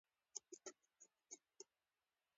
بلې جینۍ سترګې درواړولې